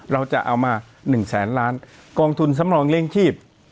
เราจะเอามา๑แสนล้านกองทุนสำรองเลี้ยงชีพ